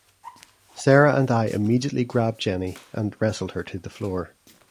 Sarah and I immediately grabbed Jenny and wrestled her to the floor.